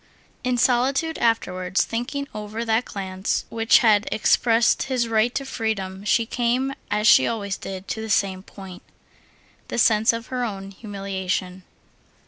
In solitude afterwards, thinking over that glance which had expressed his right to freedom, she came, as she always did, to the same point—the sense of her own humiliation.